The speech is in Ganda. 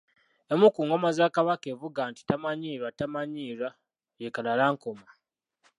"Emu ku ngoma za Kabaka evuga nti “tamanyiirwa, tamanyiirwa” ye Kalalankoma."